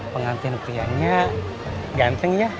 pengantin prianya ganteng ya